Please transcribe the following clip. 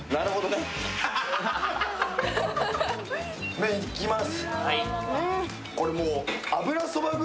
麺、いきます。